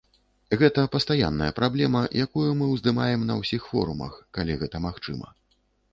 Гэта пастаянная праблема, якую мы ўздымаем на ўсіх форумах, калі гэта магчыма.